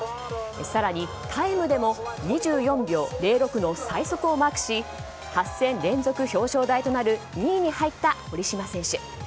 更にタイムでも２４秒０６の最速をマークし８戦連続表彰台となる２位に入った堀島選手。